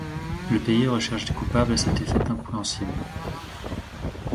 Le pays recherche des coupables à cette défaite incompréhensible.